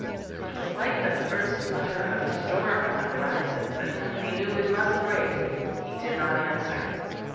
It was like the first mutter of a storm on the horizon; but Anthony knew it must break. He did not answer.